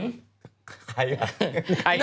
ใครอ่ะ